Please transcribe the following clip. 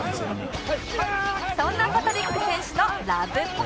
そんなパトリック選手の